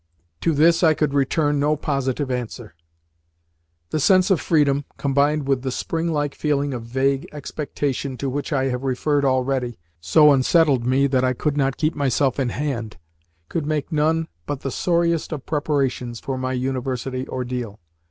To this I could return no positive answer. The sense of freedom, combined with the spring like feeling of vague expectation to which I have referred already, so unsettled me that I could not keep myself in hand could make none but the sorriest of preparations for my University ordeal.